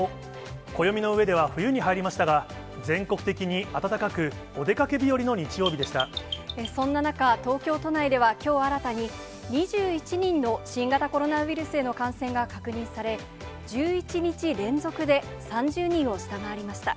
暦の上では冬に入りましたが、全国的に暖かく、そんな中、東京都内ではきょう新たに、２１人の新型コロナウイルスへの感染が確認され、１１日連続で３０人を下回りました。